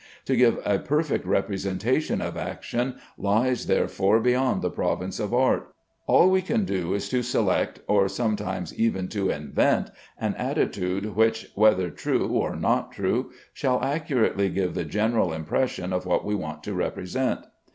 To give a perfect representation of action lies, therefore, beyond the province of art. All we can do is to select, or sometimes even to invent, an attitude which, whether true or not true, shall accurately give the general impression of what we want to represent.